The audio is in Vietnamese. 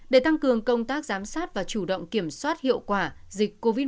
để tăng cường công tác giám sát và chủ động kiểm soát hiệu quả dịch covid